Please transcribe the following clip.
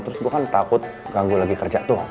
terus gue kan takut ganggu lagi kerja tuh